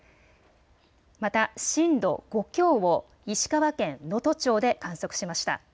また震度５強を石川県能登町で観測しました。